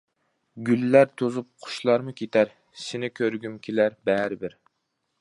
گۈللەر توزۇپ، قۇشلارمۇ كېتەر، سېنى كۆرگۈم كېلەر بەرىبىر.